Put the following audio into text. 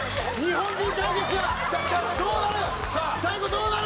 どうなる？